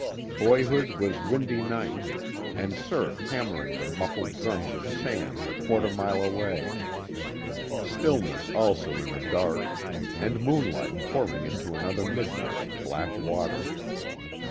Boyhood was windy nights, and surf hammering the muffled drums of sand a quarter mile away; stillness also in the dark, and moonlight pouring into another midnight of black water.